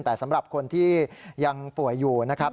แต่สำหรับคนที่ยังป่วยอยู่นะครับ